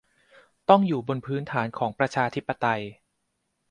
ต้องอยู่บนพื้นฐานของประชาธิปไตย